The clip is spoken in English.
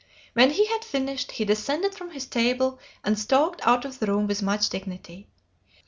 When he had finished, he descended from his table and stalked out of the room with much dignity.